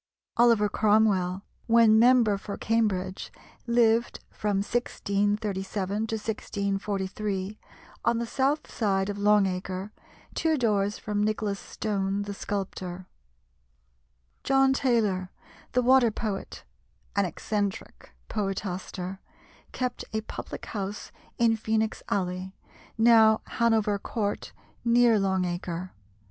Oliver Cromwell, when member for Cambridge, lived from 1637 to 1643, on the south side of Long Acre, two doors from Nicholas Stone the sculptor. John Taylor, the "Water Poet" an eccentric poetaster, kept a public house in Phœnix Alley, now Hanover Court, near Long Acre.